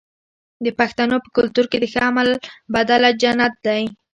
د پښتنو په کلتور کې د ښه عمل بدله جنت دی.